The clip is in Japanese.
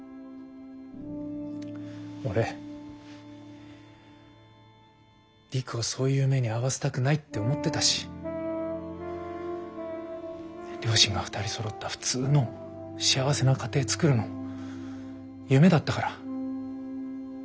俺璃久をそういう目に遭わせたくないって思ってたし両親が２人そろった普通の幸せな家庭作るの夢だったから。